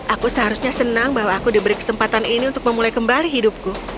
aku seharusnya senang bahwa aku diberi kesempatan ini untuk memulai kembali hidupku